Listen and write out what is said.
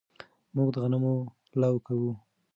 موږ د غنمو لو کوو